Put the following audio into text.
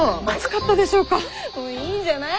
いいんじゃない？